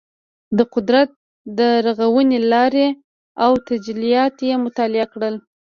د قدرت د رغونې لارې او تجلیات یې مطالعه کړل.